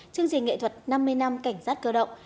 chương trình nghệ thuật năm mươi năm cảnh sát cơ động